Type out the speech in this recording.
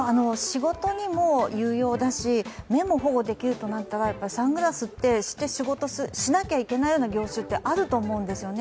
仕事にも有用だし、目も保護できるとなったらサングラスって、して仕事しなきゃいけないような業種ってあると思うんですよね。